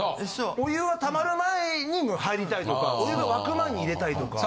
お湯はたまる前にもう入りたいとかお湯が沸く前に入れたいとか。